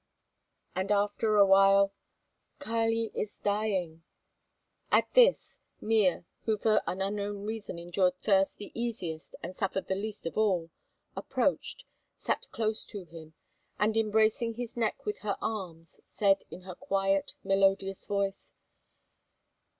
And after a while: "Kali is dying." At this, Mea, who for an unknown reason endured thirst the easiest and suffered the least of all, approached, sat close to him, and, embracing his neck with her arms, said in her quiet, melodious voice.